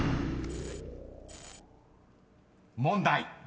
［問題］